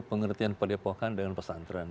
pengertian pak depokan dengan pesantren